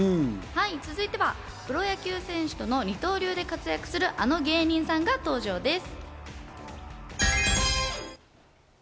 続いてはプロ野球選手との二刀流で活躍する、あの芸人さんが登場です。